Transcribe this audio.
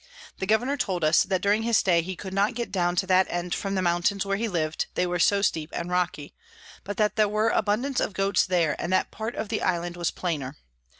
The Governour told us, that during his stay he could not get down to that end from the Mountains where he liv'd, they were so steep and rocky; but that there were abundance of Goats there, and that part of the Island was plainer.